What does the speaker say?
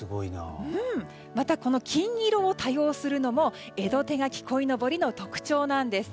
またこの金色を多用するのも江戸手描きこいのぼりの特徴なんです。